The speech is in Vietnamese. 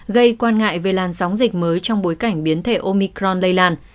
gây quan ngại về làn sóng dịch mới trong bối cảnh biến thể omicron lây lan